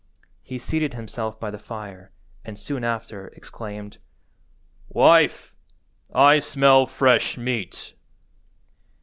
He seated himself by the fire, and, soon after, exclaimed— "Wife, I smell fresh meat."